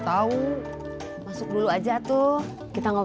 saya mau leave nya sama tempat gue